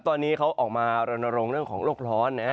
ตอนนี้เขาออกมาระวังเรื่องของโรคร้อน